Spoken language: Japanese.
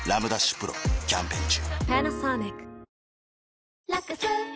丕劭蓮キャンペーン中